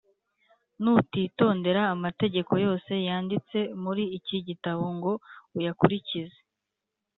Nutitondera amategeko yose yanditse muri iki gitabo ngo uyakurikize,